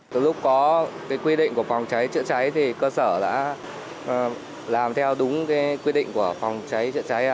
từ lúc có quy định của phòng cháy chữa cháy thì cơ sở đã làm theo đúng quy định của phòng cháy chữa cháy